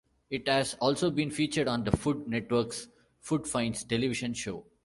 It has also been featured on the Food Network's "Food Finds" television show.